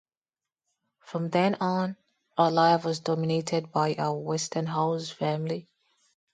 From then on her life was dominated by her Westenholz family.